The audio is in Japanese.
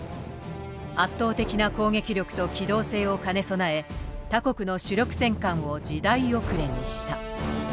圧倒的な攻撃力と機動性を兼ね備え他国の主力戦艦を時代遅れにした。